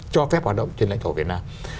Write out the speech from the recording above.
cho phép hoạt động trên lãnh thổ việt nam